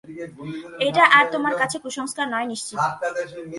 এটা আর তোমার কাছে কুসংস্কার নয় নিশ্চিত।